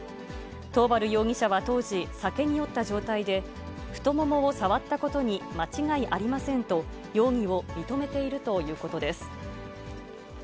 桃原容疑者は当時、酒に酔った状態で、太ももを触ったことに間違いありませんと、容疑を認めているということです。